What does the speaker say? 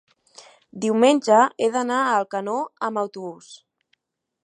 diumenge he d'anar a Alcanó amb autobús.